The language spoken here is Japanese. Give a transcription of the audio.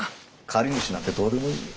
借り主なんてどうでもいい。